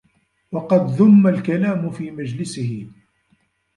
وَقَدْ ذُمَّ الْكَلَامُ فِي مَجْلِسِهِ